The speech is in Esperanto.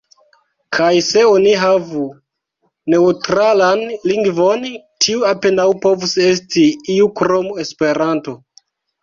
Kaj se oni havu neŭtralan lingvon, tiu apenaŭ povus esti iu krom Esperanto!